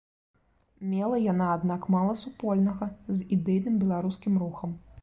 Мела яна, аднак, мала супольнага з ідэйным беларускім рухам.